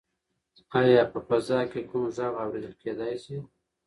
ایا په فضا کې کوم غږ اورېدل کیدی شي؟